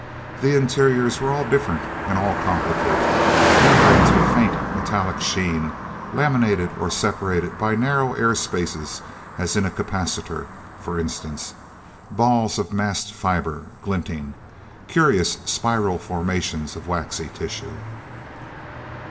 The interiors were all different and all complicated... Membranes with a faint, metallic sheen laminated or separated by narrow air spaces as in a capacitor, for instance... Balls of massed fibre, glinting... Curious, spiral formations of waxy tissue...